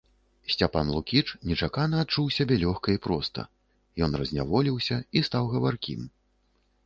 Сцяпан Лукіч нечакана адчуў сябе лёгка і проста, ён разняволіўся і стаў гаваркім.